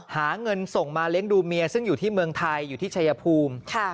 หาเงินส่งมาเลี้ยงดูเมียซึ่งอยู่ที่เมืองไทยอยู่ที่ชายภูมิ